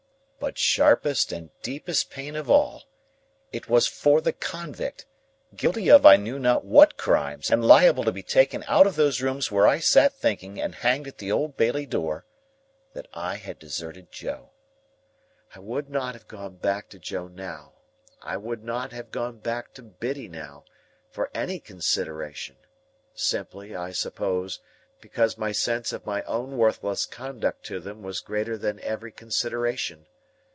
But, sharpest and deepest pain of all,—it was for the convict, guilty of I knew not what crimes, and liable to be taken out of those rooms where I sat thinking, and hanged at the Old Bailey door, that I had deserted Joe. I would not have gone back to Joe now, I would not have gone back to Biddy now, for any consideration; simply, I suppose, because my sense of my own worthless conduct to them was greater than every consideration.